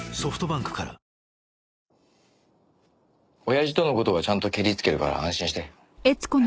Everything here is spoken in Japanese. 親父との事はちゃんとケリつけるから安心して。